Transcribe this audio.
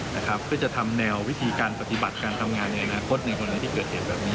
เพื่อจะทำแนววิธีการปฏิบัติการทำงานในอนาคตในวันไหนที่เกิดเหตุแบบนี้